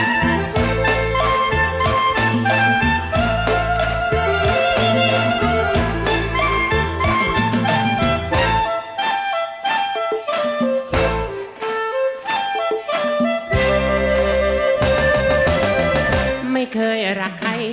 ไม่เคยรักใครเท่าพี่เคยรู้เลย